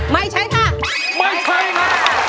ไม่ใช่ค่ะไม่ใช่ค่ะ